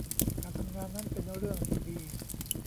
การทำงานนั้นเป็นเรื่องที่ดี